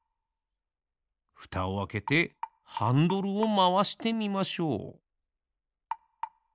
ふたをあけてハンドルをまわしてみましょう。